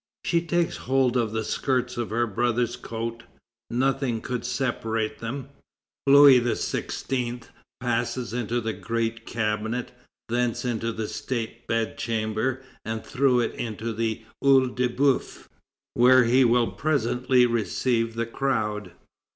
She takes hold of the skirts of her brother's coat. Nothing could separate them. Louis XVI. passes into the Great Cabinet, thence into the State Bedchamber, and through it into the OEil de Boeuf, where he will presently receive the crowd.